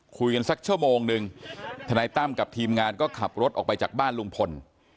คุยกันสักชั่วโมงนึงทนายตั้มกับทีมงานก็ขับรถออกไปจากบ้านลุงพล